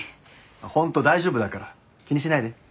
本当大丈夫だから気にしないで。